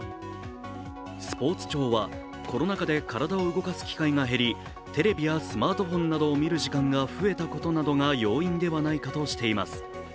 スポーツ庁はコロナ禍で体を動かす機会が減りテレビやスマートフォンを見る時間が増えたことが要因ではないかとしています。